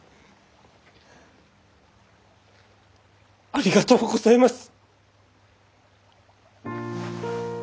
ありがとうございます。